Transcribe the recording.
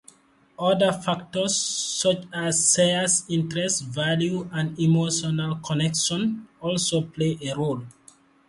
Other factors such as shared interests, values, and emotional connection also play a role.